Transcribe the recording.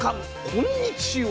こんにちは。